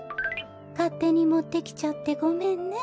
かってにもってきちゃってごめんね。